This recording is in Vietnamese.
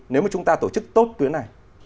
nếu mà chúng ta tổ chức tốt tuyến này